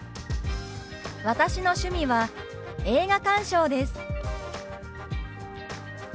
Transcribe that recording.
「私の趣味は映画鑑賞です」。